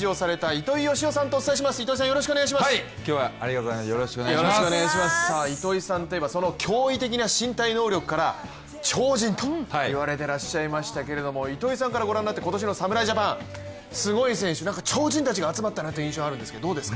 糸井さんといえばその驚異的な身体能力から超人といわれてらっしゃいましたけど糸井さんからご覧になって今年の侍ジャパン、すごい選手超人たちが集まったなという印象があるんですけどどうですか。